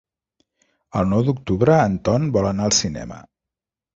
El nou d'octubre en Ton vol anar al cinema.